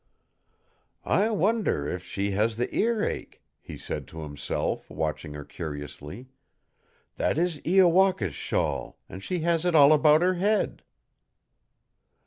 "I wonder if she has the earache," he said to himself, watching her curiously. "That is Iowaka's shawl, and she has it all about her head."